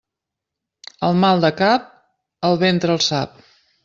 El mal de cap, el ventre el sap.